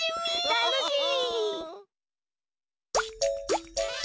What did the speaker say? たのしみ！